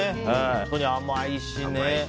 本当に甘いしね。